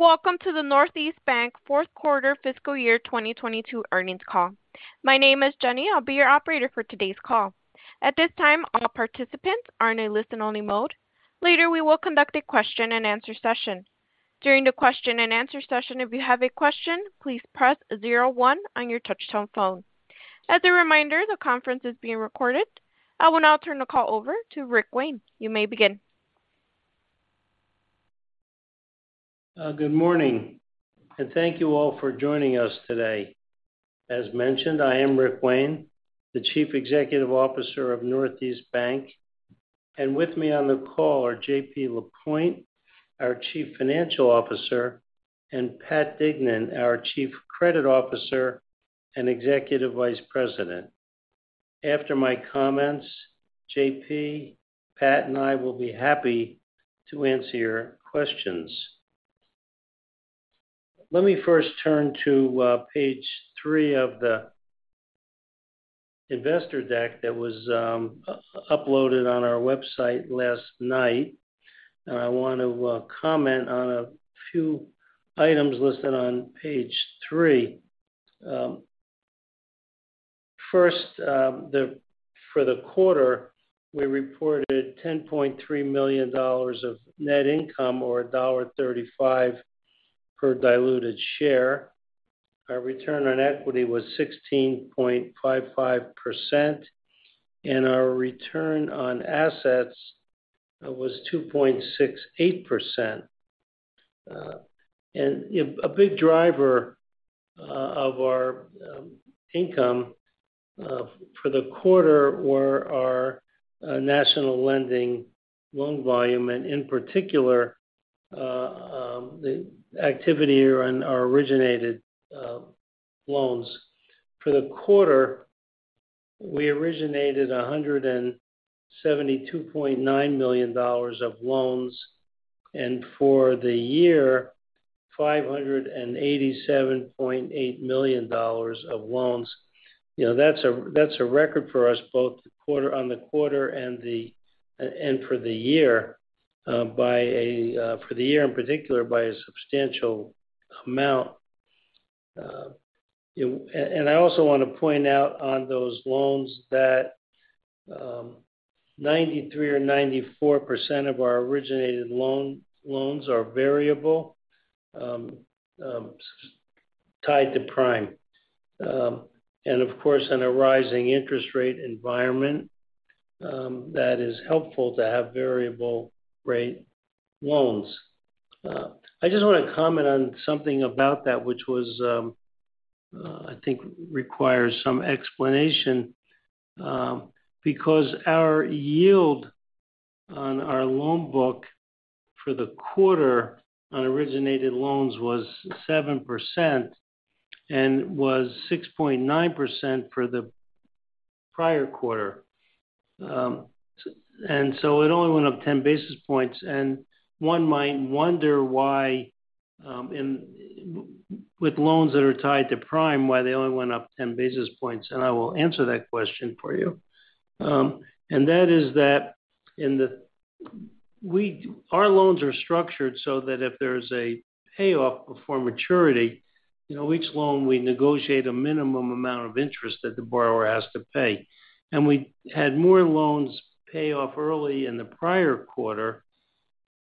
Welcome to the Northeast Bank Fourth Quarter Fiscal Year 2022 Earnings Call. My name is Jenny. I'll be your operator for today's call. At this time, all participants are in a listen-only mode. Later, we will conduct a question-and-answer session. During the question-and-answer session, if you have a question, please press zero one on your touch-tone phone. As a reminder, the conference is being recorded. I will now turn the call over to Rick Wayne. You may begin. Good morning, and thank you all for joining us today. As mentioned, I am Rick Wayne, the Chief Executive Officer of Northeast Bank. With me on the call are JP Lapointe, our Chief Financial Officer, and Pat Dignan, our Chief Credit Officer and Executive Vice President. After my comments, JP, Pat, and I will be happy to answer your questions. Let me first turn to page three of the investor deck that was uploaded on our website last night. I want to comment on a few items listed on page three. First, for the quarter, we reported $10.3 million of net income or $1.35 per diluted share. Our return on equity was 16.55%, and our return on assets was 2.68%. A big driver of our income for the quarter were our national lending loan volume, and in particular, the activity around our originated loans. For the quarter, we originated $172.9 million of loans, and for the year, $587.8 million of loans. You know, that's a record for us, both on the quarter and for the year, by a substantial amount. For the year in particular, by a substantial amount. I also want to point out on those loans that 93% or 94% of our originated loans are variable, tied to prime. Of course, in a rising interest rate environment, that is helpful to have variable rate loans. I just want to comment on something about that, which was, I think requires some explanation, because our yield on our loan book for the quarter on originated loans was 7% and was 6.9% for the prior quarter. It only went up 10 basis points, and one might wonder why, and with loans that are tied to prime, why they only went up 10 basis points. I will answer that question for you. That is that our loans are structured so that if there is a payoff before maturity, in each loan, we negotiate a minimum amount of interest that the borrower has to pay. We had more loans pay off early in the prior quarter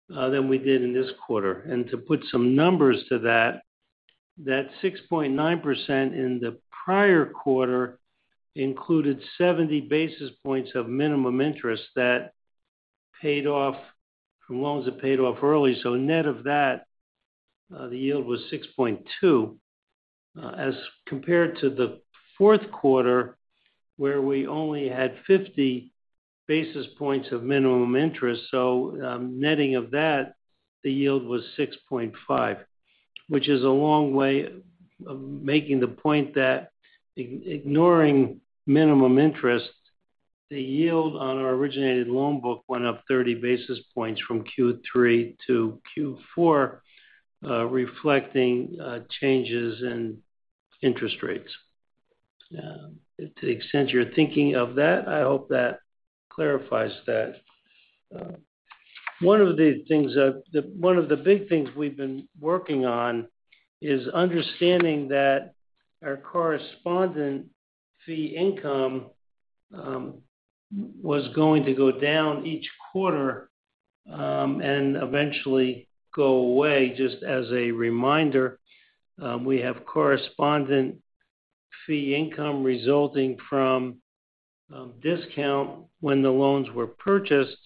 than we did in this quarter. To put some numbers to that 6.9% in the prior quarter included 70 basis points of minimum interest that paid off from loans that paid off early. Net of that, the yield was 6.2%. As compared to the fourth quarter, where we only had 50 basis points of minimum interest. Netting of that, the yield was 6.5%. Which is a long way of making the point that ignoring minimum interest, the yield on our originated loan book went up 30 basis points from Q3 to Q4, reflecting changes in interest rates. To the extent you're thinking of that, I hope that clarifies that. One of the big things we've been working on is understanding that our correspondent fee income was going to go down each quarter and eventually go away. Just as a reminder, we have correspondent fee income resulting from discount when the loans were purchased,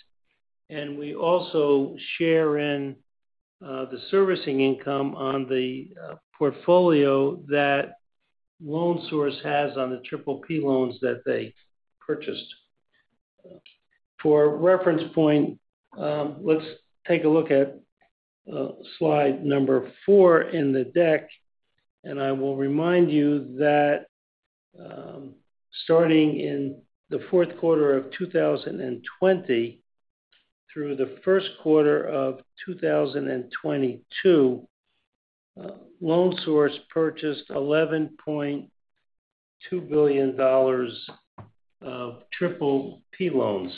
and we also share in the servicing income on the portfolio that Loan Source has on the PPP loans that they purchased. For a reference point, let's take a look at slide number four in the deck. I will remind you that, starting in the fourth quarter of 2020 through the first quarter of 2022, The Loan Source purchased $11.2 billion of PPP loans.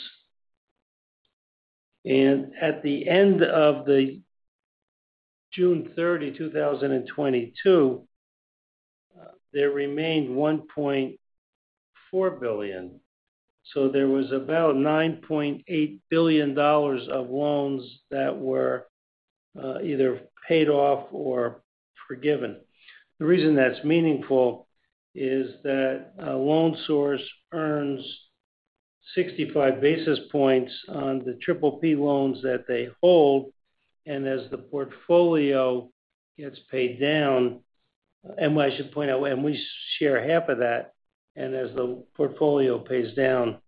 At the end of June 30, 2022, there remained $1.4 billion. There was about $9.8 billion of loans that were, either paid off or forgiven. The reason that's meaningful is that The Loan Source earns 65 basis points on the PPP loans that they hold. As the portfolio gets paid down, I should point out, we share half of that, and as the portfolio pays down,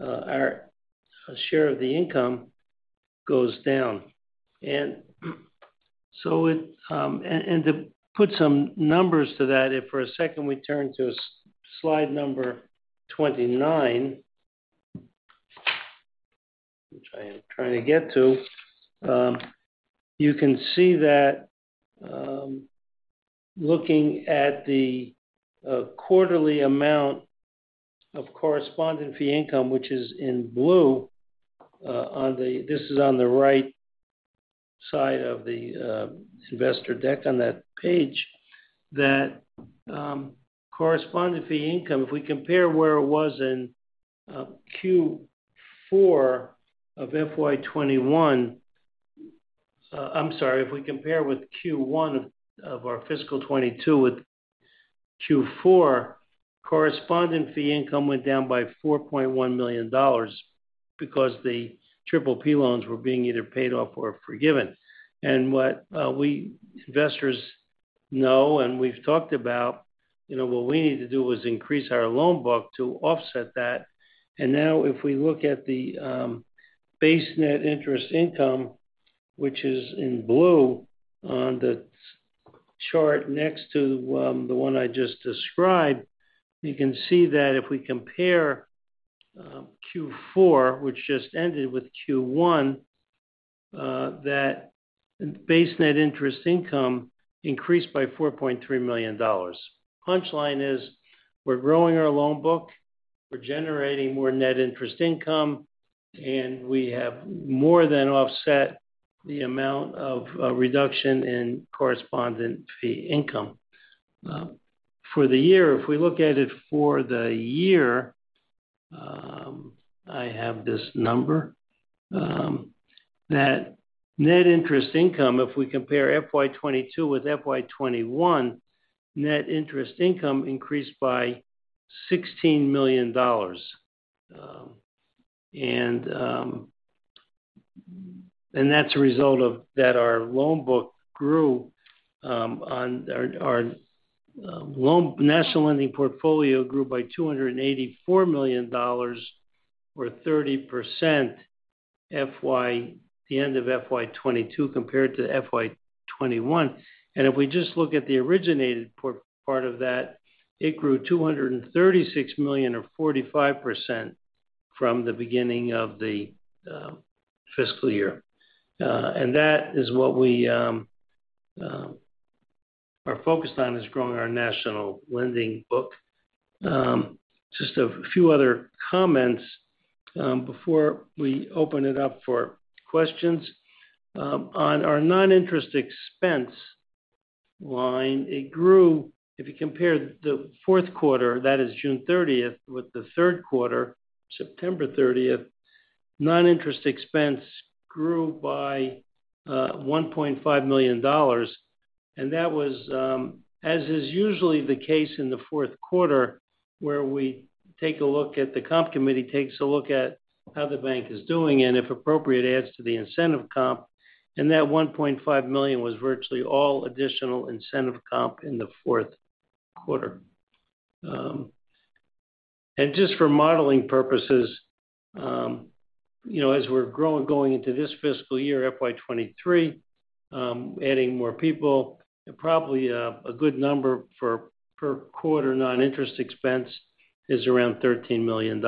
our share of the income goes down. To put some numbers to that, if for a second we turn to slide number 29, which I am trying to get to, you can see that, looking at the quarterly amount of correspondent fee income, which is in blue, on the right side of the investor deck on that page, that correspondent fee income, if we compare with Q1 of our fiscal 2022 with Q4, correspondent fee income went down by $4.1 million because the PPP loans were being either paid off or forgiven. What we investors know and we've talked about, you know, what we need to do is increase our loan book to offset that. Now if we look at the base net interest income, which is in blue on the chart next to the one I just described, you can see that if we compare Q4, which just ended, with Q1, that base net interest income increased by $4.3 million. Punchline is we're growing our loan book, we're generating more net interest income, and we have more than offset the amount of reduction in correspondent fee income. For the year, if we look at it for the year, I have this number that net interest income, if we compare FY 2022 with FY 2021, net interest income increased by $16 million. That's a result of that our loan book grew on our national lending portfolio by $284 million or 30% at the end of FY 2022 compared to FY 2021. If we just look at the originated part of that, it grew $236 million or 45% from the beginning of the fiscal year. That is what we are focused on, is growing our national lending book. Just a few other comments before we open it up for questions. On our non-interest expense line, it grew. If you compare the fourth quarter, that is June thirtieth, with the third quarter, September thirtieth, non-interest expense grew by $1.5 million. That was, as is usually the case in the fourth quarter, where the comp committee takes a look at how the bank is doing and if appropriate adds to the incentive comp. That $1.5 million was virtually all additional incentive comp in the fourth quarter. Just for modeling purposes, you know, as we're going into this fiscal year, FY 2023, adding more people, probably a good number per quarter noninterest expense is around $13 million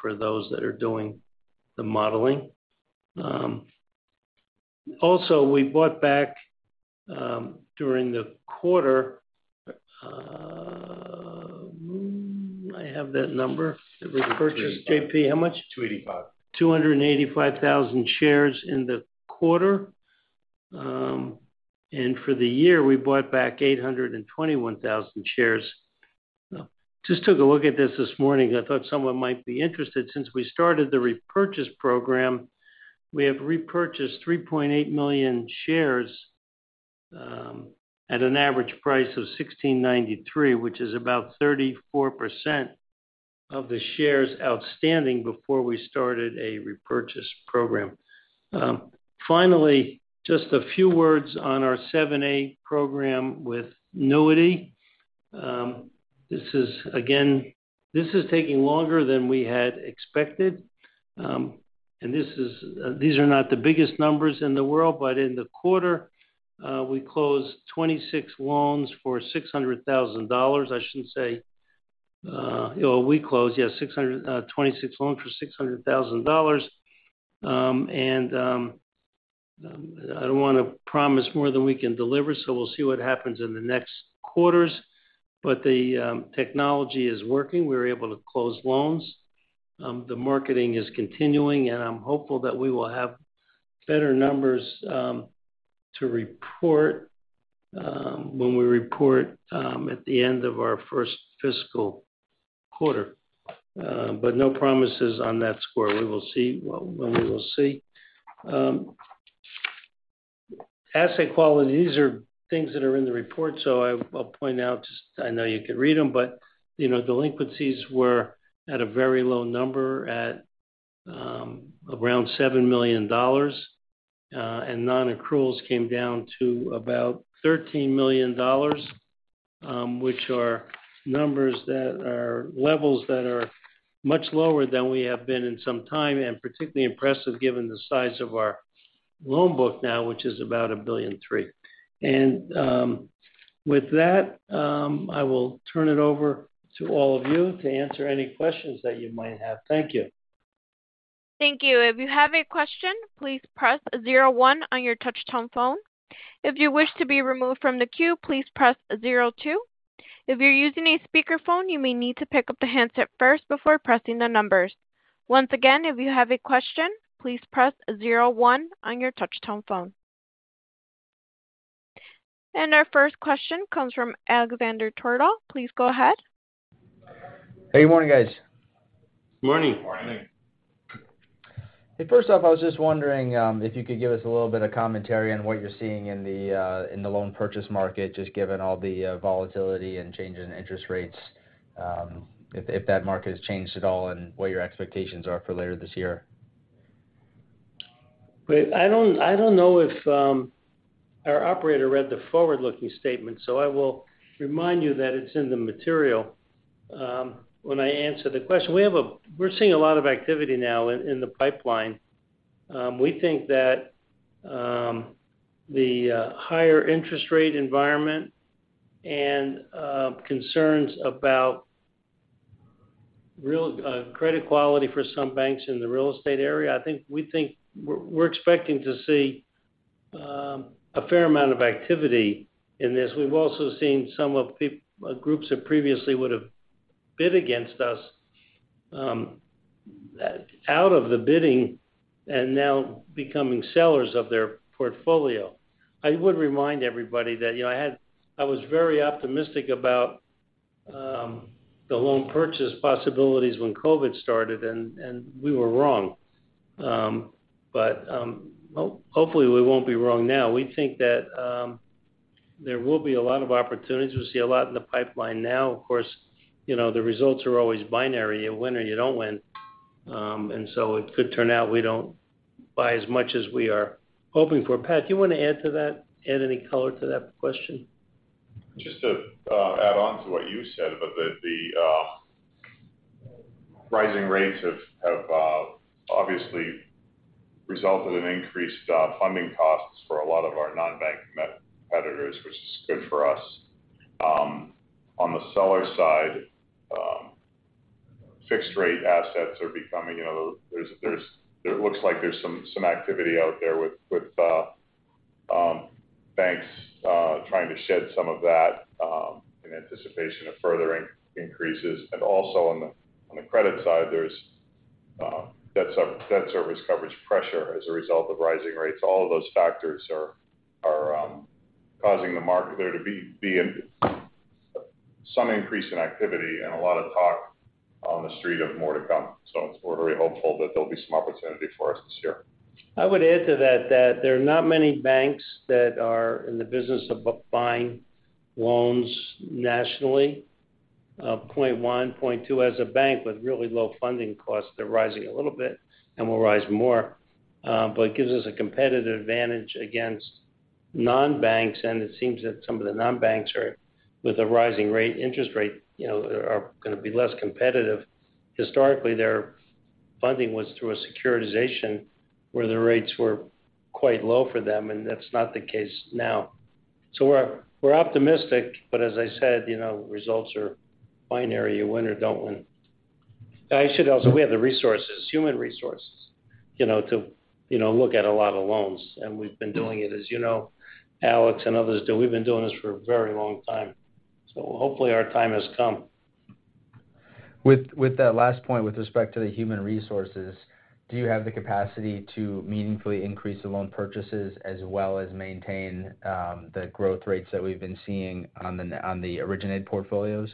for those that are doing the modeling. Also we bought back during the quarter, I have that number. 285. JP, how much? 285. 285,000 shares in the quarter. For the year we bought back 821,000 shares. Just took a look at this morning. I thought someone might be interested. Since we started the repurchase program, we have repurchased 3.8 million shares at an average price of $16.93, which is about 34% of the shares outstanding before we started a repurchase program. Finally, just a few words on our 7(a) program with NEWITY. This is, again, taking longer than we had expected. These are not the biggest numbers in the world, but in the quarter, we closed 26 loans for $600,000. I shouldn't say we closed. Yes, 26 loans for $600,000. I don't wanna promise more than we can deliver, so we'll see what happens in the next quarters. The technology is working. We're able to close loans. The marketing is continuing, and I'm hopeful that we will have better numbers to report when we report at the end of our first fiscal quarter. No promises on that score. We will see when we will see. Asset quality. These are things that are in the report, so I'll point out just, I know you can read them. You know, delinquencies were at a very low number at around $7 million. Non-accruals came down to about $13 million, which are numbers that are levels that are much lower than we have been in some time, and particularly impressive given the size of our loan book now, which is about $1.3 billion. With that, I will turn it over to all of you to answer any questions that you might have. Thank you. Thank you. If you have a question, please press zero one on your touch-tone phone. If you wish to be removed from the queue, please press zero two. If you're using a speakerphone, you may need to pick up the handset first before pressing the numbers. Once again, if you have a question, please press zero one on your touch-tone phone. Our first question comes from Alexander Twerdahl. Please go ahead. Hey, good morning, guys. Morning. Morning. Hey, first off, I was just wondering if you could give us a little bit of commentary on what you're seeing in the loan purchase market, just given all the volatility and change in interest rates, if that market has changed at all and what your expectations are for later this year? Wait. I don't know if our operator read the forward-looking statement, so I will remind you that it's in the material when I answer the question. We're seeing a lot of activity now in the pipeline. We think that the higher interest rate environment and concerns about credit quality for some banks in the real estate area. I think we're expecting to see a fair amount of activity in this. We've also seen some groups that previously would have bid against us out of the bidding and now becoming sellers of their portfolio. I would remind everybody that, you know, I was very optimistic about the loan purchase possibilities when COVID started, and we were wrong. Well, hopefully, we won't be wrong now. We think that there will be a lot of opportunities. We see a lot in the pipeline now. Of course, you know, the results are always binary. You win or you don't win. It could turn out we don't buy as much as we are hoping for. Pat, do you wanna add to that, add any color to that question? Just to add on to what you said, but the rising rates have obviously resulted in increased funding costs for a lot of our non-bank competitors, which is good for us. On the seller side, fixed rate assets are becoming, you know, it looks like there's some activity out there with banks trying to shed some of that in anticipation of further increases. Also on the credit side, there's debt service coverage pressure as a result of rising rates. All of those factors are causing the market there to be in some increase in activity and a lot of talk on the street of more to come. We're very hopeful that there'll be some opportunity for us this year. I would add to that there are not many banks that are in the business of buying loans nationally. 0.1%, 0.2%, as a bank with really low funding costs, they're rising a little bit and will rise more. It gives us a competitive advantage against non-banks, and it seems that some of the non-banks, with the rising interest rate, you know, are gonna be less competitive. Historically, their funding was through a securitization where the rates were quite low for them, and that's not the case now. We're optimistic, but as I said, you know, results are binary. You win or don't win. We have the resources, human resources, you know, to look at a lot of loans, and we've been doing it. As you know, Alex and others do, we've been doing this for a very long time. Hopefully, our time has come. With that last point, with respect to the human resources, do you have the capacity to meaningfully increase the loan purchases as well as maintain the growth rates that we've been seeing on the originated portfolios?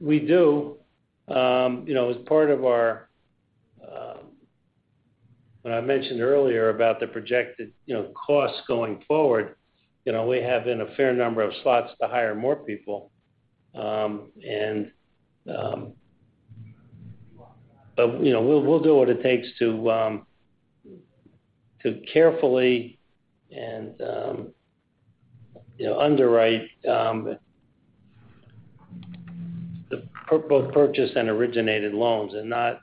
We do. You know, as part of our. When I mentioned earlier about the projected, you know, costs going forward, you know, we have in a fair number of slots to hire more people, and, but, you know, we'll do what it takes to carefully and, you know, underwrite the purchase and originated loans and not,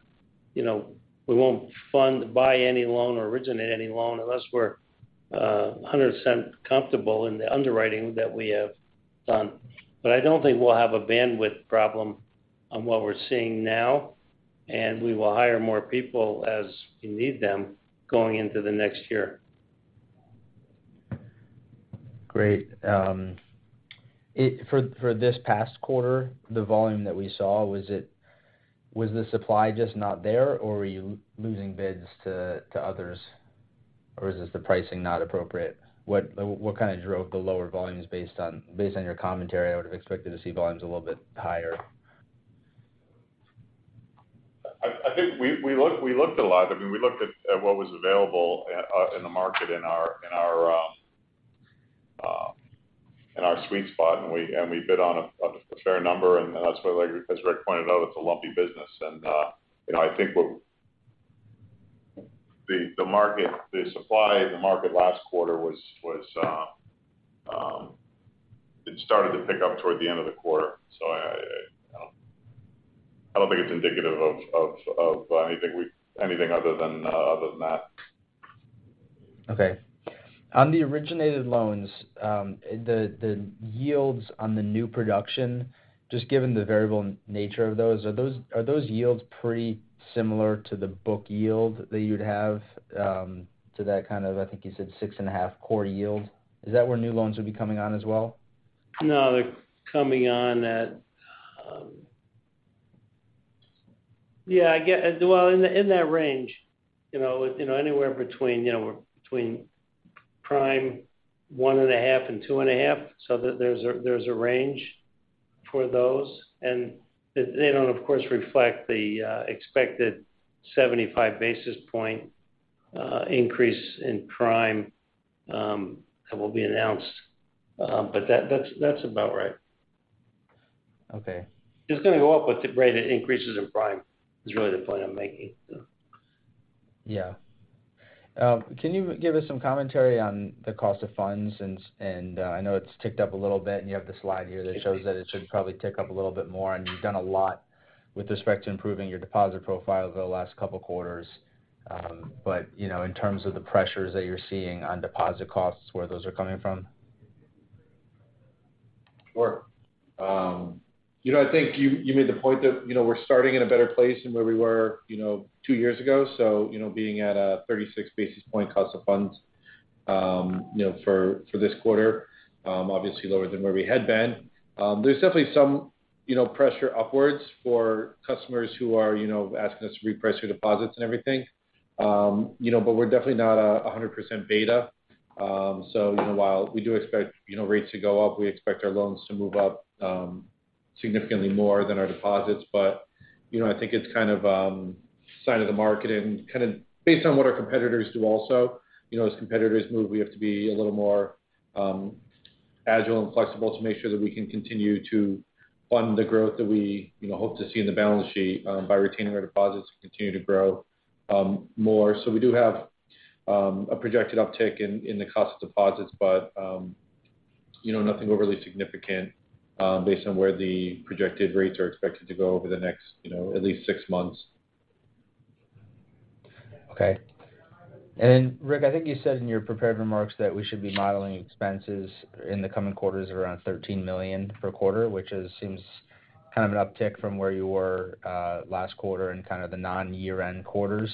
you know, we won't fund, buy any loan or originate any loan unless we're 100% comfortable in the underwriting that we have done. I don't think we'll have a bandwidth problem on what we're seeing now, and we will hire more people as we need them going into the next year. Great. For this past quarter, the volume that we saw, was it the supply just not there, or were you losing bids to others? Or is this the pricing not appropriate? What kind of drove the lower volumes based on your commentary? I would have expected to see volumes a little bit higher. I think we looked a lot. I mean, we looked at what was available in the market in our sweet spot, and we bid on a fair number, and that's why, like, as Rick pointed out, it's a lumpy business. You know, I think what the market, the supply in the market last quarter was, it started to pick up toward the end of the quarter. I don't think it's indicative of anything other than that. Okay. On the originated loans, the yields on the new production, just given the variable nature of those, are those yields pretty similar to the book yield that you would have, to that kind of, I think you said 6.5 core yield? Is that where new loans would be coming on as well? No, they're coming on at. Yeah, well, in that range. You know, you know, anywhere between, you know, between prime 1.5 and 2.5, so there's a range for those. They don't, of course, reflect the expected 75 basis point increase in prime that will be announced, but that's about right. Okay. It's gonna go up at the rate it increases in prime, is really the point I'm making. Yeah. Can you give us some commentary on the cost of funds? I know it's ticked up a little bit, and you have the slide here that shows that it should probably tick up a little bit more, and you've done a lot with respect to improving your deposit profile over the last couple quarters. You know, in terms of the pressures that you're seeing on deposit costs, where those are coming from. Sure. You know, I think you made the point that, you know, we're starting in a better place than where we were, you know, two years ago. You know, being at a 36 basis point cost of funds, you know, for this quarter, obviously lower than where we had been. There's definitely some, you know, pressure upwards for customers who are, you know, asking us to reprice your deposits and everything. You know, but we're definitely not a 100% beta. You know, while we do expect, you know, rates to go up, we expect our loans to move up, significantly more than our deposits. You know, I think it's kind of sign of the market and kind of based on what our competitors do also. You know, as competitors move, we have to be a little more, agile and flexible to make sure that we can continue to fund the growth that we, you know, hope to see in the balance sheet, by retaining our deposits to continue to grow, more. We do have a projected uptick in the cost of deposits, but, you know, nothing overly significant, based on where the projected rates are expected to go over the next, you know, at least six months. Okay. Rick, I think you said in your prepared remarks that we should be modeling expenses in the coming quarters around $13 million per quarter, which seems kind of an uptick from where you were last quarter in kind of the non-year-end quarters.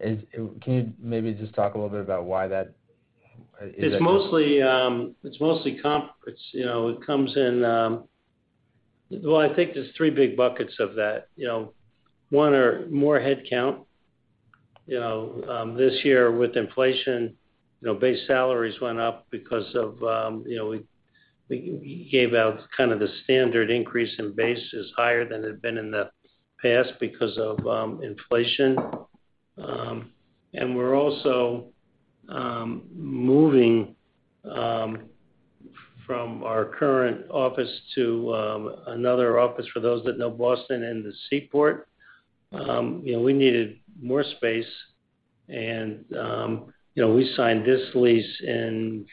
Can you maybe just talk a little bit about why that is? It's mostly comp. Well, I think there's three big buckets of that, you know. One are more headcount, you know, this year with inflation, you know, base salaries went up because of, you know, we gave out kind of the standard increase in base is higher than it had been in the past because of inflation. We're also moving from our current office to another office for those that know Boston and the Seaport. You know, we needed more space and, you know, we signed this lease in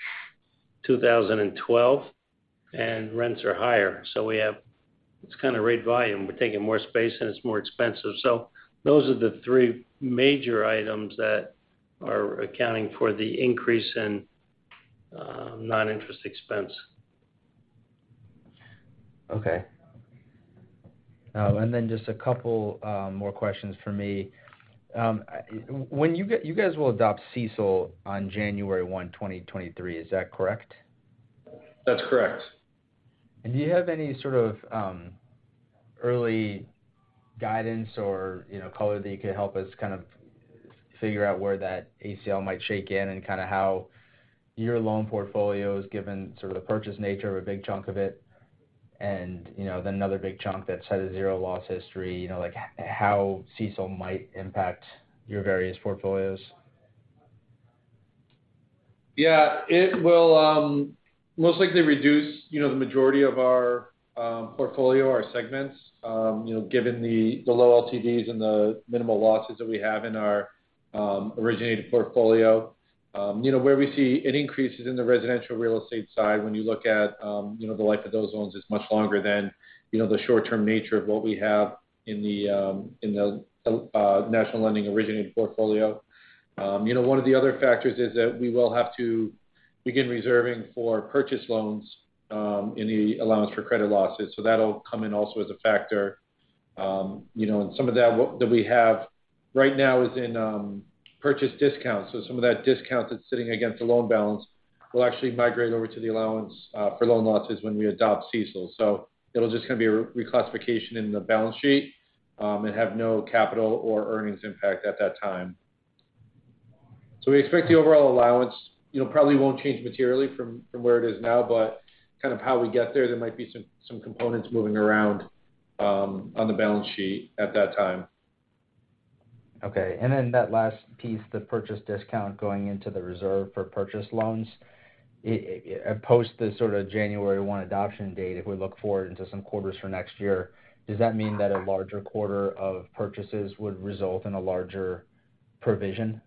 2012, and rents are higher. We have. It's kind of rate volume. We're taking more space, and it's more expensive. Those are the three major items that are accounting for the increase in non-interest expense. Okay. Just a couple more questions from me. When you guys will adopt CECL on January 1, 2023. Is that correct? That's correct. Do you have any sort of early guidance or, you know, color that you could help us kind of figure out where that ACL might shake in and kind of how your loan portfolio is given sort of the purchase nature of a big chunk of it and, you know, then another big chunk that's had a zero loss history. You know, like how CECL might impact your various portfolios? Yeah. It will most likely reduce, you know, the majority of our portfolio, our segments, you know, given the low LTVs and the minimal losses that we have in our originated portfolio. You know, where we see an increase is in the residential real estate side. When you look at, you know, the life of those loans is much longer than, you know, the short-term nature of what we have in the national lending originated portfolio. You know, one of the other factors is that we will have to begin reserving for purchase loans in the allowance for credit losses. So that'll come in also as a factor. You know, and some of that that we have right now is in purchase discounts. Some of that discount that's sitting against the loan balance will actually migrate over to the allowance for loan losses when we adopt CECL. It'll just gonna be a reclassification in the balance sheet and have no capital or earnings impact at that time. We expect the overall allowance, you know, probably won't change materially from where it is now, but kind of how we get there might be some components moving around on the balance sheet at that time. Okay. That last piece, the purchase discount going into the reserve for purchase loans. Post the sort of January 1 adoption date, if we look forward into some quarters for next year, does that mean that a larger quarter of purchases would result in a larger provision?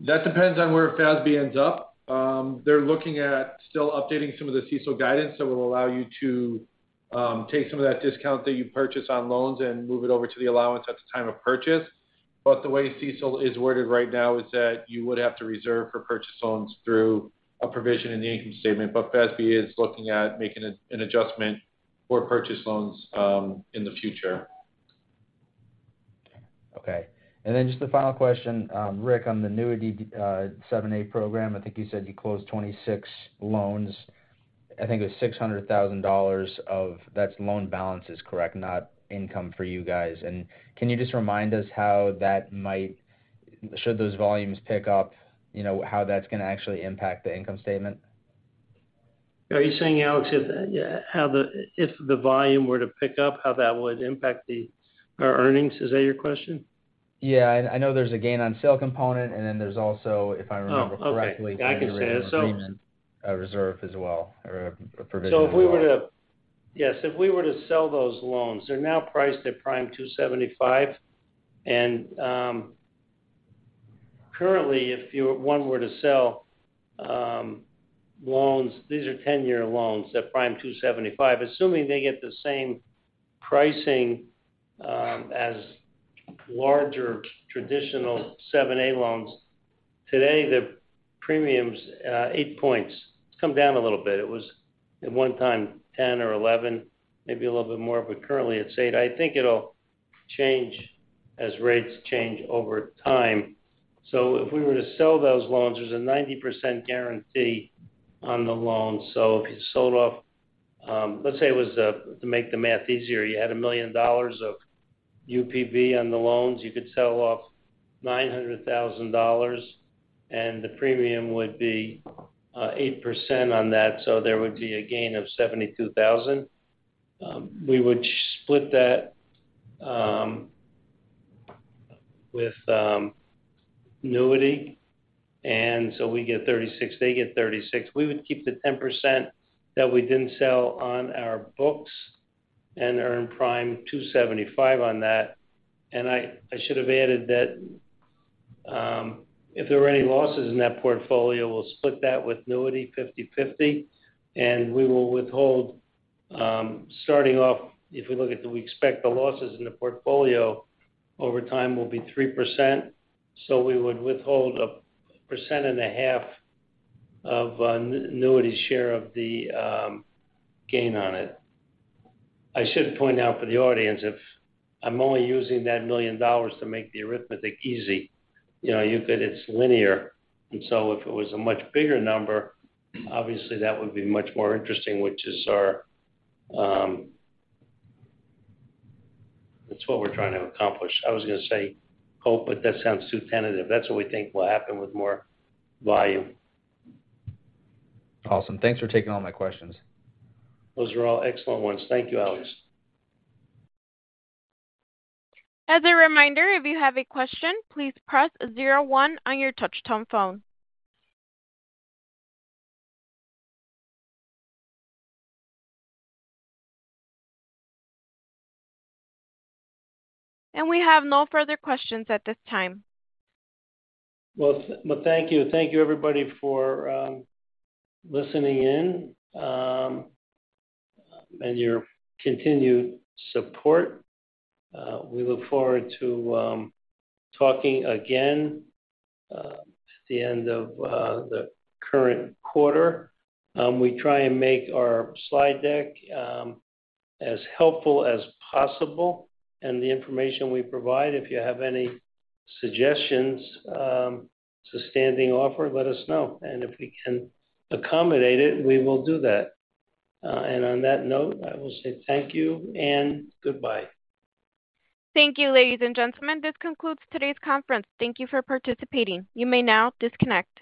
That depends on where FASB ends up. They're looking at still updating some of the CECL guidance that will allow you to take some of that discount that you purchase on loans and move it over to the allowance at the time of purchase. The way CECL is worded right now is that you would have to reserve for purchase loans through a provision in the income statement. FASB is looking at making an adjustment for purchase loans in the future. Okay. Just the final question, Rick, on the NEWITY 7(a) program, I think you said you closed 26 loans. I think it was $600,000, that's loan balance is correct, not income for you guys. Can you just remind us should those volumes pick up, you know, how that's gonna actually impact the income statement? Are you saying, Alex, if the volume were to pick up, how that would impact our earnings? Is that your question? Yeah. I know there's a gain on sale component, and then there's also, if I remember correctly. Oh, okay. I could say so. A reserve as well, or a provision as well. Yes, if we were to sell those loans, they're now priced at prime 2.75. Currently, if one were to sell loans, these are 10-year loans at prime 2.75. Assuming they get the same pricing as larger traditional 7(a) loans, today, the premium's 8 points. It's come down a little bit. It was at one time 10 or 11, maybe a little bit more, but currently it's 8. I think it'll change as rates change over time. If we were to sell those loans, there's a 90% guarantee on the loans. If you sold off, let's say to make the math easier, you had $1 million of UPB on the loans, you could sell off $900,000, and the premium would be 8% on that, so there would be a gain of $72,000. We would split that with NEWITY.. We get $36,000, they get $36,000. We would keep the 10% that we didn't sell on our books and earn prime 2.75 on that. I should have added that if there were any losses in that portfolio, we'll split that with NEWITY. 50/50, and we will withhold starting off if we look at do we expect the losses in the portfolio over time will be 3%. We would withhold 1.5% of NEWITY.'s share of the gain on it. I should point out for the audience, if I'm only using that $1 million to make the arithmetic easy, you know. It's linear. If it was a much bigger number, obviously that would be much more interesting, which is our. It's what we're trying to accomplish. I was gonna say hope, but that sounds too tentative. That's what we think will happen with more volume. Awesome. Thanks for taking all my questions. Those were all excellent ones. Thank you, Alex. As a reminder, if you have a question, please press zero one on your touch-tone phone. We have no further questions at this time. Well, thank you. Thank you everybody for listening in and your continued support. We look forward to talking again at the end of the current quarter. We try and make our slide deck as helpful as possible. The information we provide, if you have any suggestions, it's a standing offer, let us know. If we can accommodate it, we will do that. On that note, I will say thank you and goodbye. Thank you, ladies and gentlemen. This concludes today's conference. Thank you for participating. You may now disconnect.